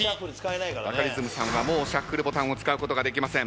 バカリズムさんはもうシャッフルボタンを使うことができません。